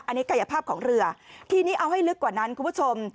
อันนี้กายภาพของเรือทีนี้เอาให้ลึกกว่านั้นคุณผู้ชม